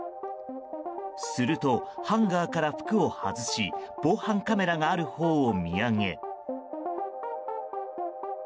すると、ハンガーから服を外し防犯カメラがあるほうを見上げ。